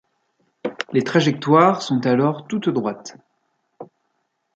Les trajectoires sont alors toutes droites.